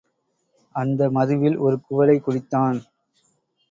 அந்த மதுவில் ஒரு குவளை குடித்தான்.